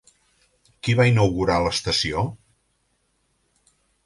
Qui va inaugurar l'estació?